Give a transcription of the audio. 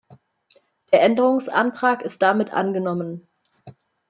Der Änderungsantrag ist damit angenommen.